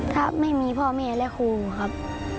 ครับไม่มีพ่อแม่และครูครับ